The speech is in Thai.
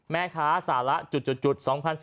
แม่ค้าสาระจุด๒๐๑๘